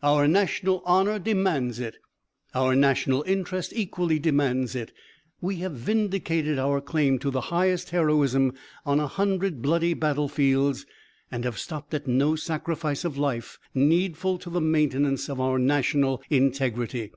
Our national honor demands it; our national interest equally demands it. We have vindicated our claim to the highest heroism on a hundred bloody battle fields, and have stopped at no sacrifice of life needful to the maintenance of our national integrity.